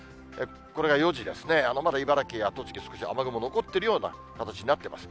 これが４時ですね、まだ茨城や栃木、少し雨雲残っているような形になっています。